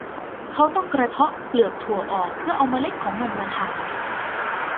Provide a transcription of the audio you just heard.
เขาต้องต้องกระเทาะเปลือกถั่วออก เพื่อเอาเมล็ดของมันมาทาน